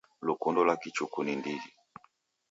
Lukundo lwa kichuku ni ndighi.